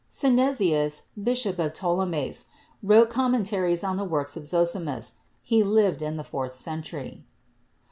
Synesius, Bishop of Ptolemais, wrote commentaries on the works of Zosimus; he lived in the fourth century.